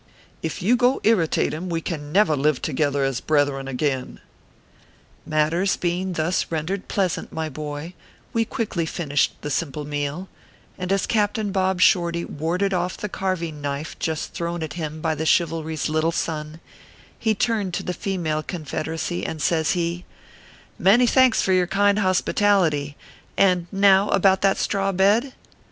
If you go to irritate him, we can never live together as brethren again/ Matters being thus rendered pleasant, my boy, we quickly finished the simple meal ; and as Captain Bob Shorty warded off the carving knife just thrown at him by the Chivalry s little son, he turned to the female Confederacy, and says he :" Many thanks for your kind hospitality ; and now about that straw bed